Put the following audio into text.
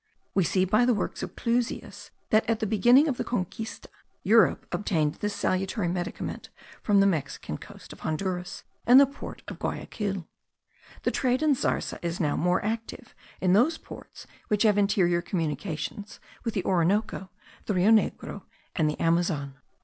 We see by the works of Clusius, that at the beginning of the Conquista, Europe obtained this salutary medicament from the Mexican coast of Honduras and the port of Guayaquil. The trade in zarza is now more active in those ports which have interior communications with the Orinoco, the Rio Negro, and the Amazon.